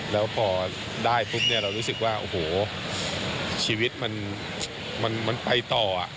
แล้วพอได้ปุ๊บเนี่ยอะไรหมดแล้วรู้สึกว่าโว้โหชีวิตมันมันไปต่ออะ